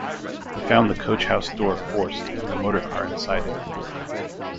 He found the coach-house door forced and the motorcar inside it.